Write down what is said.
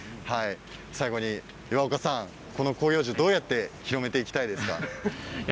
最後に岩岡さん広葉樹、どうやって広めていきたいですか。